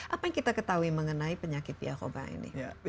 apa yang kita ketahui mengenai penyakit pierre robin ini